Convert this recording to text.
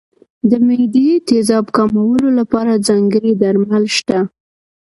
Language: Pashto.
د معدې تېزاب کمولو لپاره ځانګړي درمل شته.